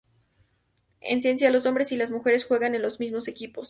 En ciencia, los hombres y las mujeres juegan en los mismos equipos.